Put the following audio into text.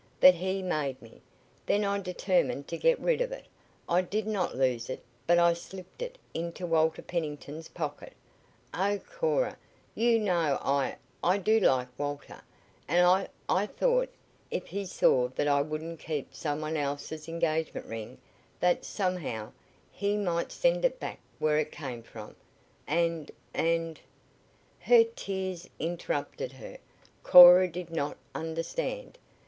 But he made me. Then I determined to get rid of it. I did not lose it, but I slipped it into Walter Pennington's pocket. Oh, Cora! You know I I do like Walter, and I I thought if he saw that I wouldn't keep some one else's engagement ring that somehow he might send it back where it came from, and and " Her tears interrupted her. Cora did not understand.